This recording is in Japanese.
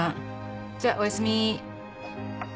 じゃおやすみ。